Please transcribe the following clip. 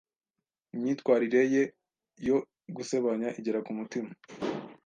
Imyitwarire ye yo gusebanya igera kumutima.